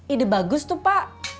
ide bagus tuh pak